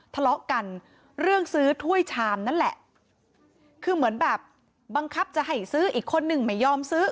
ทะเลาะกันเรื่องซื้อถ้วยชามนั่นแหละคือเหมือนแบบบังคับจะให้ซื้ออีกคนนึงไม่ยอมซื้อ